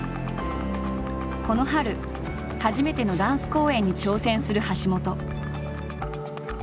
この春初めてのダンス公演に挑戦する橋本。